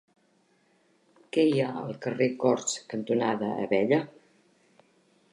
Què hi ha al carrer Corts cantonada Abella?